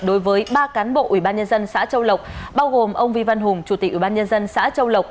đối với ba cán bộ ubnd xã châu lộc bao gồm ông vi văn hùng chủ tịch ubnd xã châu lộc